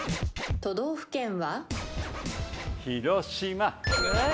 都道府県は？